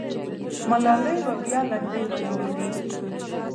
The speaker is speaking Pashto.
ملالۍ به بیا لنډۍ ویلې وې.